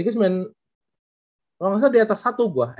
kalo gak salah diatas satu gue